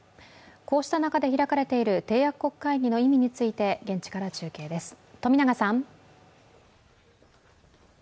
こうした中で開かれている締約国会議の意味について現地から中継です、富永さん。